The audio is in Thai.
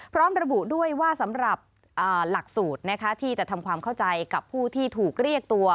พร้อมระบุด้วยว่าสำหรับหลักสูตรที่จะทำความเข้าใจกับผู้ที่ถูกเรียกตัว